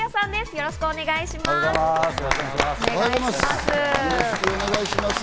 よろしくお願いします。